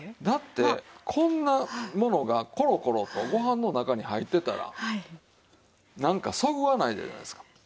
だってこんなものがコロコロとご飯の中に入ってたらなんかそぐわないじゃないですか。